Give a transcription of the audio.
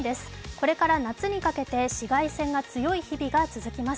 これから夏にかけて紫外線が強い日々が続きます。